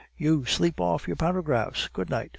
"You! sleep off your paragraphs! Good night!